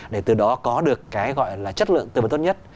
để từ đó có được cái gọi là chất lượng tư vấn tốt nhất